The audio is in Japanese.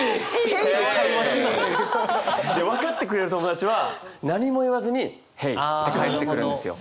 分かってくれる友達は何も言わずに「Ｈｅｙ！」って返ってくるんですよ。